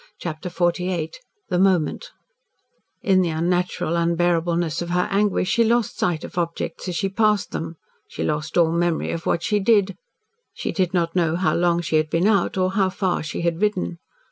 CHAPTER XLVIII THE MOMENT In the unnatural unbearableness of her anguish, she lost sight of objects as she passed them, she lost all memory of what she did. She did not know how long she had been out, or how far she had ridden.